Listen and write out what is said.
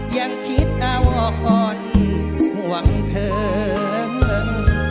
ยังคิดอาวะออนหวังเธอเมื่อ